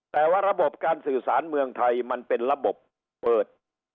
แต่ว่าระบบการสื่อสารเมืองไทยมันเป็นระบบเปิด